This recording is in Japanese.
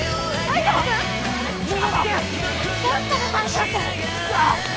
大丈夫か？